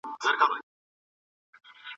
هغه شاګرد چي څېړنه کوي خپلواکۍ ته اړتیا لري.